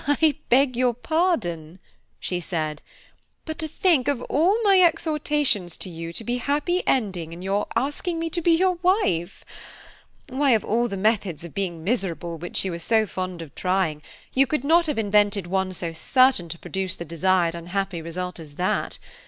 "I beg your pardon," she said, "but to think of all my exhortations to you to be happy ending in your asking me to be your wife! Why, of all the methods of being miserable which you are so fond of trying, you could not have invented one so certain to produce the desired unhappy result as that.